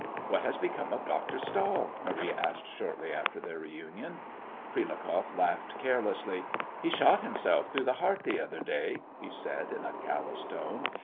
"What has become of Dr. Stahl?" Marie asked shortly after their reunion. Prilukoff laughed carelessly. "He shot himself through the heart the other day," he said, in a callous tone.